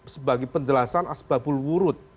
sebagai penjelasan asbabulwurut